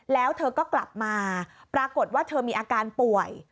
แล้วเธอก็กลับมาปรากฏว่าเธอมีอาการป่วย